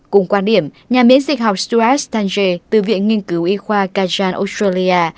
cùng quan điểm nhà miễn dịch học stuart tangier từ viện nghiên cứu y khoa kajan australia